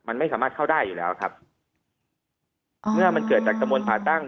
มันไม่สามารถเข้าได้อยู่แล้วครับอ่าเมื่อมันเกิดจากกระมวลผ่าตั้ง